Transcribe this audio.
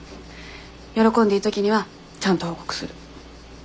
喜んでいい時にはちゃんと報告する。